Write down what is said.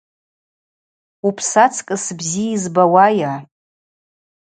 Упсы ацкӏыс бзи йызбауайа?